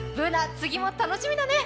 次も楽しみだね。